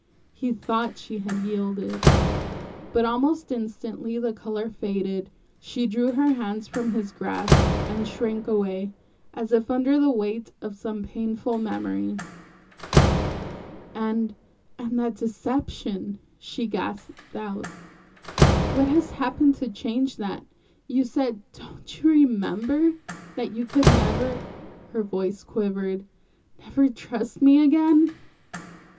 He thought she had yielded. But almost instantly the color faded, she drew her hands from his grasp and shrank away, as if under the weight of some painful memory. "And, and that deception," she gasped out. "What has happened to change that? You said don't you remember? that you could never" her voice quivered "never trust me again."